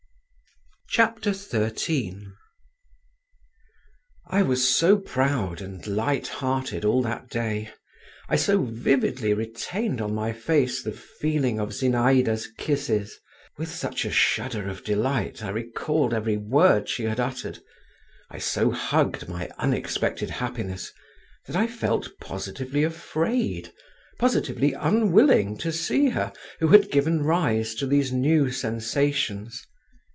XIII I was so proud and light hearted all that day, I so vividly retained on my face the feeling of Zinaïda's kisses, with such a shudder of delight I recalled every word she had uttered, I so hugged my unexpected happiness that I felt positively afraid, positively unwilling to see her, who had given rise to these new sensations.